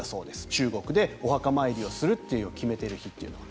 中国でお墓参りをすると決めている日というのは。